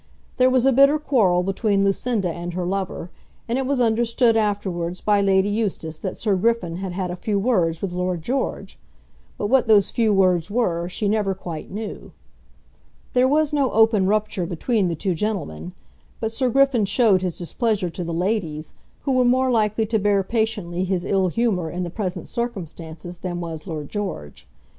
There was a bitter quarrel between Lucinda and her lover, and it was understood afterwards by Lady Eustace that Sir Griffin had had a few words with Lord George; but what those few words were, she never quite knew. There was no open rupture between the two gentlemen, but Sir Griffin showed his displeasure to the ladies, who were more likely to bear patiently his ill humour in the present circumstances than was Lord George.